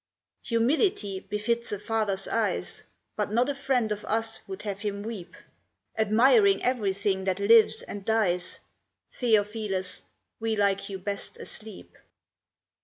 Humility befits a father's eyes, But not a friend of us would have him weep. Admiring everything that lives and dies, Theophilus, we like you best asleep.